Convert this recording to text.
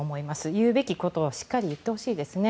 言うべきことをしっかり言ってほしいですね。